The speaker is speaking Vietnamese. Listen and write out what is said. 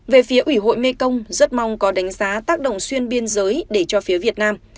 về phía ủy hội mekong rất mong có đánh giá tác động xuyên biên giới để cho phía việt nam